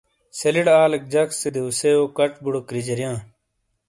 سیلِی ڑے آلیک جک سے دیوسیئو کچ بُوڑو کریجاریئاں۔